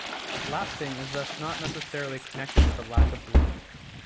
Lapsing is thus not necessarily connected with a lack of belief.